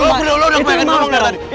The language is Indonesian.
lo udah kebanyakan ngomong dari tadi